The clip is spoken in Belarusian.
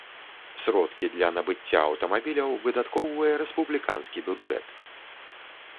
Сродкі для набыцця аўтамабіляў выдаткоўвае рэспубліканскі бюджэт.